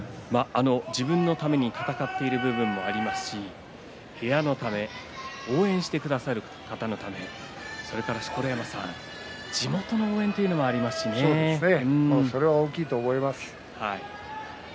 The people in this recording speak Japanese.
自分のために戦っている部分もありますし部屋のため応援してくださる方のためそれから地元の応援というのもそれは大きいと思います。